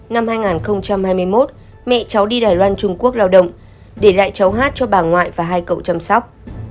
năm hai nghìn hai mươi một mẹ cháu đi đài loan trung quốc lao động để lại cháu hát cho bà ngoại và hai cậu chăm sóc